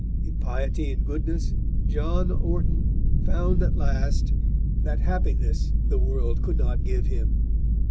In piety and goodness John Orton found at last that happiness the world could not give him."